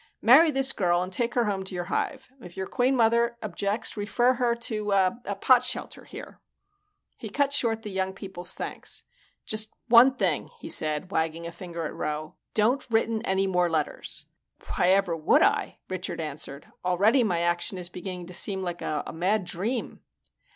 Marry this girl and take her home to your hive. If your Queen Mother objects refer her to er Potshelter here." He cut short the young people's thanks. "Just one thing," he said, wagging a finger at Rowe. "Don't written any more letters." "Why ever would I?" Richard answered. "Already my action is beginning to seem like a mad dream."